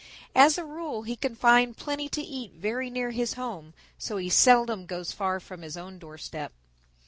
As a rule he can find plenty to eat very near his home, so he seldom goes far from his own doorstep.